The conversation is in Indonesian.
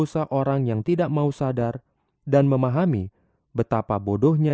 sampai jumpa di video selanjutnya